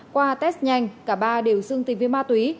qua test nhanh cả ba đều dưng tình viên ma túy